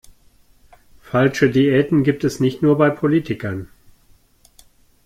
Falsche Diäten gibt es nicht nur bei Politikern.